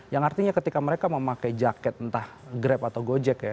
yang artinya ketika mereka memakai jaket entah grab atau gojek ya